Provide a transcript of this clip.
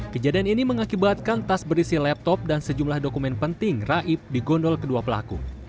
kejadian ini mengakibatkan tas berisi laptop dan sejumlah dokumen penting raib di gondol kedua pelaku